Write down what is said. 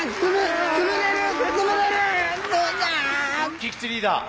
菊池リーダー。